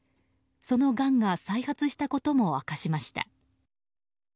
そのがんが再発したことも明かしました。